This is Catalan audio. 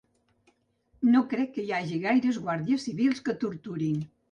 No crec que hi hagi gaires guàrdies civils que torturin.